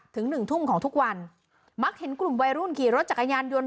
ถึงหนึ่งทุ่มของทุกวันมักเห็นกลุ่มวัยรุ่นขี่รถจักรยานยนต์